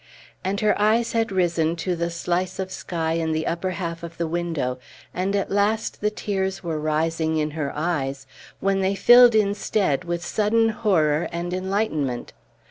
And her eyes had risen to the slice of sky in the upper half of the window, and at last the tears were rising in her eyes, when they filled instead with sudden horror and enlightenment.